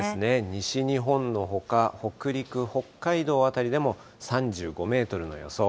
西日本のほか、北陸、北海道辺りでも３５メートルの予想。